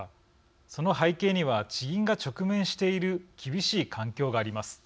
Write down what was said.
その背景には地銀が直面している厳しい環境があります。